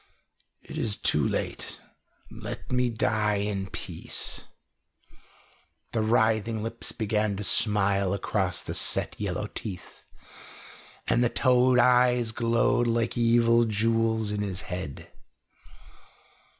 "It is too late. Let me die in peace." The writhing lips began to smile across the set yellow teeth, and the toad eyes glowed like evil jewels in his head.